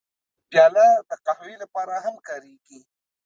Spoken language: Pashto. پیاله د قهوې لپاره هم کارېږي.